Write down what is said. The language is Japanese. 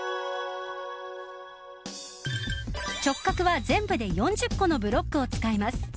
チョッカクは全部で４０個のブロックを使います。